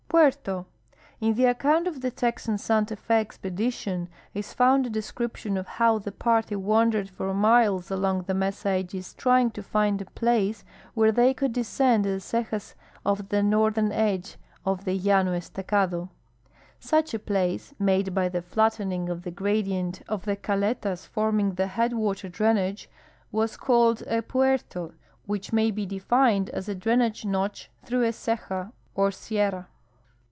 Puerto. — In the account of the Texan Santa Fe expedition is found a description of how the party wandered for miles along the mesa edges trying to find a place where they could descend the cejas of the northern edge of the Llano Estacado. Such a place, made by the flattening of the gradient of the caletas forming the headwater drainage, was called a puerto, which may be defined as a drainage notch through a ceja or sierra.